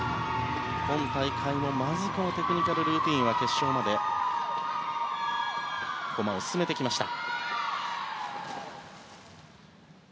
今大会もまずテクニカルルーティンは決勝まで駒を進めてきました。